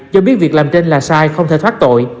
cho biết việc làm trên là sai không thể thoát tội